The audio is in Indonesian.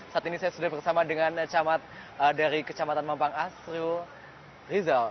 saat ini saya sudah bersama dengan camat dari kecamatan mampang asrul rizal